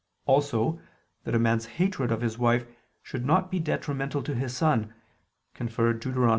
Also that a man's hatred of his wife should not be detrimental to his son (Deut.